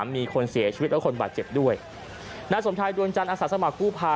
มีคนเสียชีวิตและคนบาดเจ็บด้วยนายสมชายดวงจันทร์อาสาสมัครกู้ภัย